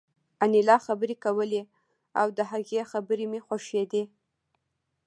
انیلا خبرې کولې او د هغې خبرې مې خوښېدې